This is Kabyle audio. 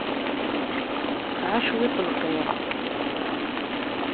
Tesɛa cwiṭ n lqir.